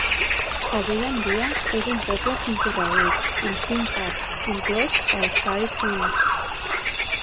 Avui en dia, és un poble concorregut, amb cinc pubs, inclòs el "Sair Inn".